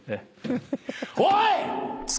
おい！